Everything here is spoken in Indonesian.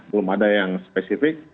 belum ada yang spesifik